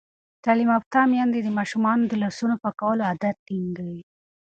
تعلیم یافته میندې د ماشومانو د لاسونو پاکولو عادت ټینګوي.